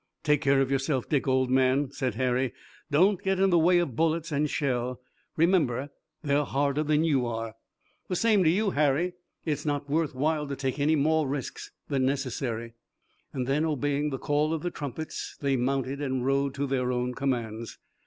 "Take care of yourself, Dick, old man!" said Harry. "Don't get in the way of bullets and shell. Remember they're harder than you are." "The same to you, Harry. It's not worth while to take any more risks than necessary." Then, obeying the call of the trumpets, they mounted and rode to their own commands.